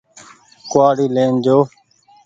ڪوُ وآڙي لين جو ۔